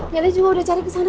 pak nyata juga udah cari kesana